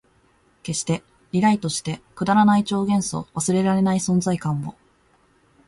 消して、リライトして、くだらない超幻想、忘れらない存在感を